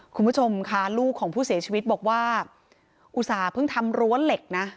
คุณผู้ชมค่ะลูกของผู้เสียชีวิตบอกว่าอุตส่าห์เพิ่งทำรั้วเหล็กนะ